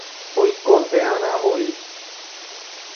oikonte'arãvoi